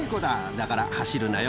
だから走るなよ